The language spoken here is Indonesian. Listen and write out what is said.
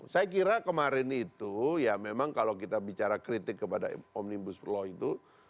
saya kira kemarin itu ya memang kalau kita bicara kritik kepada omnibus law itu